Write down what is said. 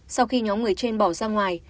sau khi nhóm người trên bỏ ra ngoài